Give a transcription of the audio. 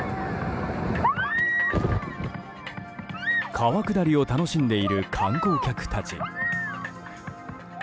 川下りを楽しんでいる観光客たち。